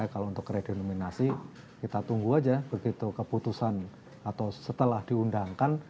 kalau untuk redenominasi kita tunggu saja begitu keputusan atau setelah diundangkan